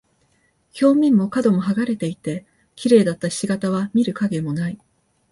表面も角も剥がれていて、綺麗だった菱形は見る影もない。